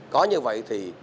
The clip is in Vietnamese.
có như vậy thì